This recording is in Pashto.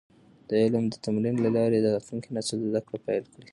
د علم د تمرین له لارې د راتلونکي نسل زده کړه پېل کیږي.